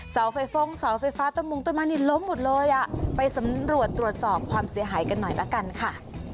เสาไฟฟ้องเสาไฟฟ้าต้นมงต้นไม้นี่ล้มหมดเลยอ่ะไปสำรวจตรวจสอบความเสียหายกันหน่อยละกันค่ะ